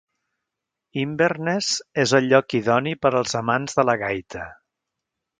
Inverness és el lloc idoni per als amants de la gaita.